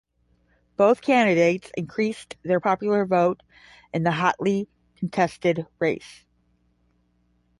Both candidates increased their popular vote in the hotly contested race.